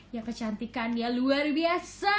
yang kecantikan ya luar biasa